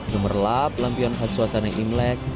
cuman relap lampuan khas suasana imlek